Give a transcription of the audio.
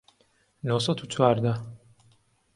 نۆ سەد و چواردە